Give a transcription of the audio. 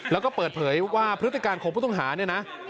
แล้วก็เปิดเผยว่าพฤติการของผู้ต้องหาเนี่ยนะ